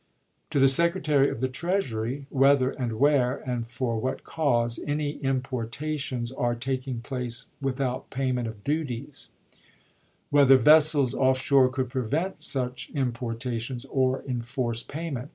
To the Secretary of the Treasury, whether, and where, and for what cause, any importations are taking place without payment of duties 1 Whether vessels off shore could prevent such importations or enforce payment